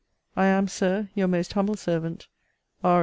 I am, Sir, Your most humble servant, R.